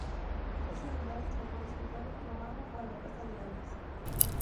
Es similar en sabores al garum romano o a la pasta de gambas.